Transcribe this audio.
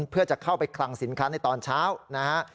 เพื่อจะเข้าไปคลังสินค้าในตอนเช้านะฮะ